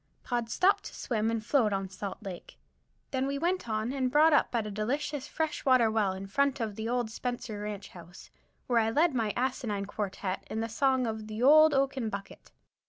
Pod stopped to swim and float on Salt Lake. Then we went on and brought up at a delicious fresh water well, in front of the Spencer Ranch house, where I led my asinine quartette in the song of the "Old Oaken Bucket."